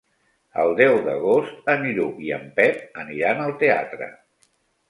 El deu d'agost en Lluc i en Pep aniran al teatre.